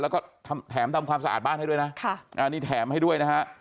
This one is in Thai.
แล้วก็แถมทำความสะอาดบ้านให้ด้วยนะนี่แถมให้ด้วยนะฮะ